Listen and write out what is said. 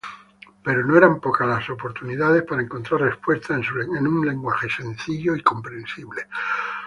Pero eran pocas las oportunidades para encontrar respuestas en un lenguaje sencillo y comprensible.